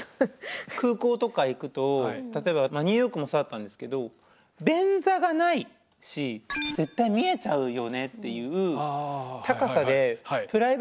空港とか行くと例えばニューヨークもそうだったんですけど便座がないしだから多分トイレばかり海外は。